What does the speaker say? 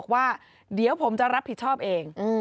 ว่าเดี๋ยวผมจะรับผิดชอบเอง